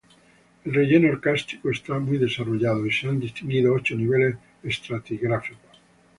El relleno kárstico está muy desarrollado y se han distinguido ocho niveles estratigráficos.